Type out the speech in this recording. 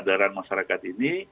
kemudian kesadaran masyarakat ini